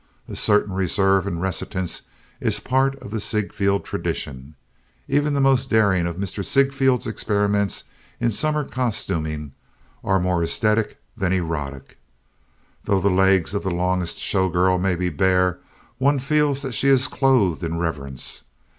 A certain reserve and reticence is part of the Ziegfeld tradition. Even the most daring of Mr. Ziegfeld's experiments in summer costuming are more esthetic than erotic. Though the legs of the longest showgirl may be bare, one feels that she is clothed in reverence.